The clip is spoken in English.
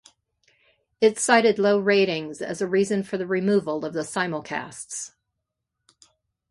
It cited low ratings as a reason for the removal of the simulcasts.